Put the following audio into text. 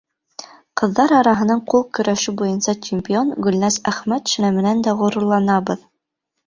Ҡыҙҙар араһынан ҡул көрәше буйынса чемпион Гөлназ Әхмәтшина менән дә ғорурланабыҙ.